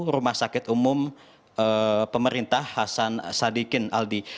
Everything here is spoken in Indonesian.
rumah sakit umum pemerintah hasan sadikin aldi